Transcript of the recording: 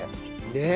ねえ。